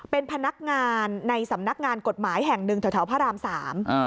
เป็นพนักงานในสำนักงานกฎหมายแห่งหนึ่งแถวแถวพระรามสาม